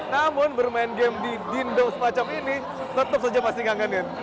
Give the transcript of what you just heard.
namun bermain game di dingdong semacam ini tetap saja masih menganggap